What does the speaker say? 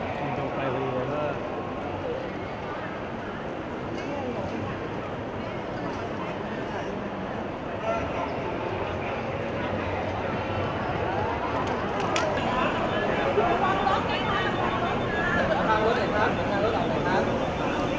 แผ่นคนเห็นว่าน้องเป็นตัวแทนที่ถ่ายคุณโชว์น้องไม่ได้ไปในน้ำคุณโชว์น้ำตาประสงค์สำเร็จถึงมากขนาดนี้ครับ